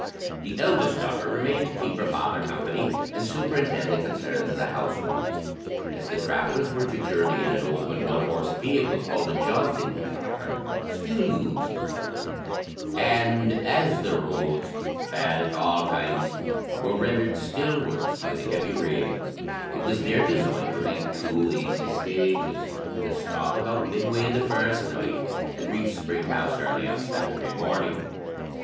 The eldest daughter remained to keep her father company, and superintend the concerns of the household. As the travellers were to journey in an open one horse vehicle, called a jaunting car (still used in Ireland), and as the roads, bad at all times, were rendered still worse by the heavy rains, it was their design to make two easy stages to stop about midway the first night, and reach Spring House early on Saturday evening.